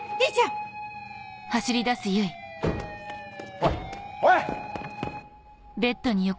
おいおい！